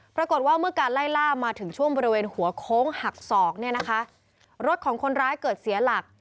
ปรากฏว่าเมื่อการไล่ล่ามาถึงช่วงบริเวณหัวโค้งหักศอกเนี่ยนะคะรถของคนร้ายเกิดเสียหลัก